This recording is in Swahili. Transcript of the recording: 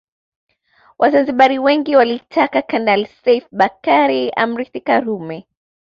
Wazanzibari wengi walitaka Kanali Seif Bakari amrithi Karume